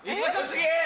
次。